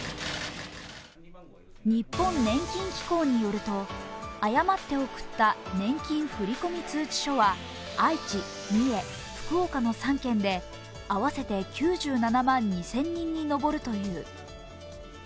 日本年金機構によると、誤って送った年金振り込み通知書は愛知、三重、福岡の３県で合わせて９７万２０００人に上るという。